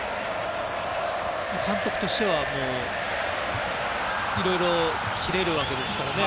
監督としてはいろいろ切れるわけですからね。